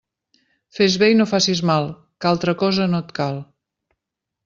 Fes bé i no facis mal, que altra cosa no et cal.